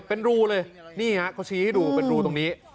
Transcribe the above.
เป็นรูเลยนี่ฮะเขาชี้ให้ดูเป็นรูตรงนี้